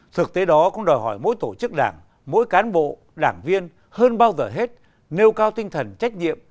thực tế đó cũng đòi hỏi mỗi tổ chức đảng mỗi cán bộ đảng viên hơn bao giờ hết nêu cao tinh thần trách nhiệm